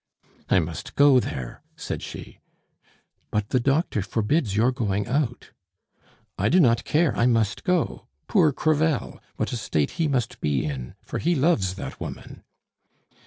"I must go there," said she. "But the doctor forbids your going out." "I do not care I must go! Poor Crevel! what a state he must be in; for he loves that woman."